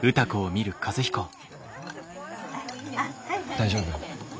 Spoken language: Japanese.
大丈夫？